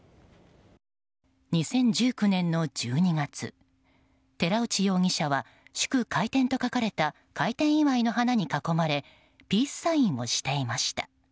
２０１９年の１２月寺内容疑者は祝開店と書かれた開店祝いの花に囲まれピースサインをしていました。